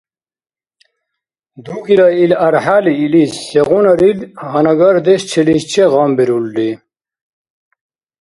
Дугила ил архӀяли илис сегъунарил гьанагардеш челис-че гъамбирулри.